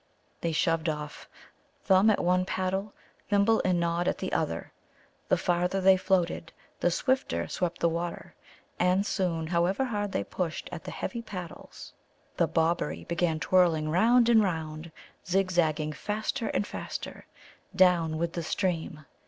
They shoved off, Thumb at one paddle, Thimble and Nod at the other. The farther they floated, the swifter swept the water. And soon, however hard they pushed at the heavy paddles, the Bobberie began twirling round and round, zig zagging faster and faster down with the stream.